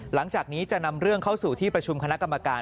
หลังจากนี้จะนำเรื่องเข้าสู่ที่ประชุมคณะกรรมการ